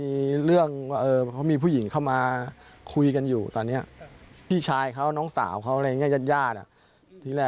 แต่ทางตำรวจทางโรงบาลน่ะ